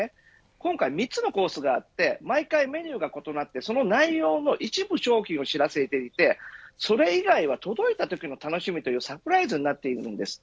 今回３つのコースがあって毎回メニューが異なり内容も一部の商品を知らせていてそれ以外は届いたときの楽しみというサプライズとなっていることです。